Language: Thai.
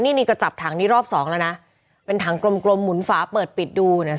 นี่นี่ก็จับถังนี้รอบสองแล้วนะเป็นถังกลมกลมหมุนฝาเปิดปิดดูเนี่ย